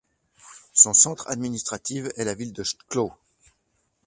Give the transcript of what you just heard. Son centre administratif est la ville de Chklow.